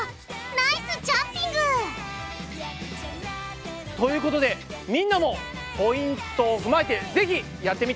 ナイスジャンピング！ということでみんなもポイントを踏まえてぜひやってみてね！